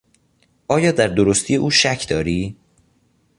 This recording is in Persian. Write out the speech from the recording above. آیا در درستی او شک داری؟